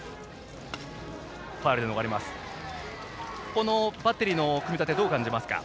このバッテリーの組み立てどう感じますか。